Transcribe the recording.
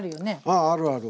あああるある。